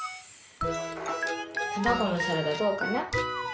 たまごのサラダどうかな？